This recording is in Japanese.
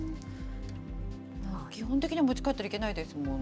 基本的には持ち帰ったらいけないですもんね。